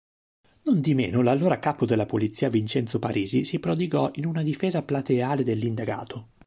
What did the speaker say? Nondimeno, l'allora Capo della Polizia Vincenzo Parisi si prodigò in una difesa plateale dell'indagato.